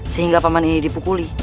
sehingga paman ini dipukuli